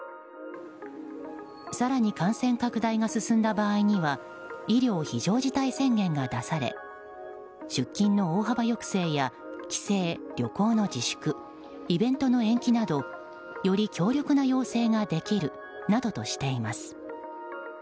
更に感染拡大が進んだ場合には医療非常事態宣言が出され出勤の大幅抑制や帰省・旅行の自粛イベントの延期などより強力な要請ができるなどとしています。